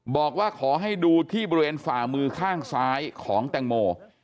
บอกว่าขอให้ดูที่บริเวณฝ่ามือข้างซ้ายของแตงโม